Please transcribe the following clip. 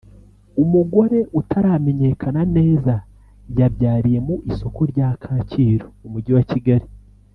umugore utaramenyekana neza yabyariye mu isoko rya Kacyiru mu Mujyi wa Kigali